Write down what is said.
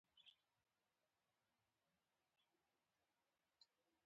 د درسي موادو څخه سمه استفاده کول،